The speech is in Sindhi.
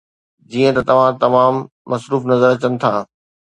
جيئن ته توهان تمام مصروف نظر اچن ٿا